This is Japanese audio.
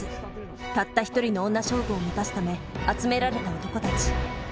たった一人の女将軍を満たすため集められた男たち。